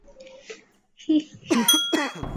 হিহি।